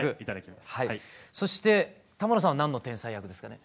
そして玉野さんは何の天才役ですかね？